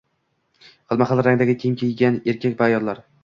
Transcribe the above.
Xilma-xil rangdagi kiyim kiygan erkak va ayollar